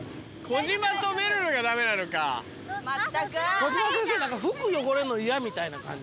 小嶋先生服汚れんの嫌みたいな感じ。